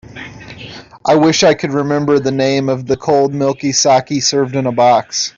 I wish I could remember the name of the cold milky saké served in a box.